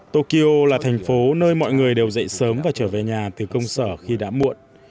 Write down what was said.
tokyo là thành phố nơi mọi người đều dậy sớm và trở về nhà từ công sở khi đã muộn